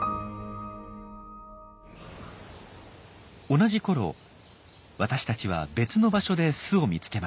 同じころ私たちは別の場所で巣を見つけました。